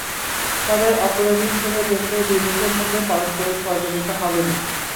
তাঁদের অপরাধী হিসেবে দেখলে দুই দেশের মধ্যে পারস্পরিক সহযোগিতা হবে না।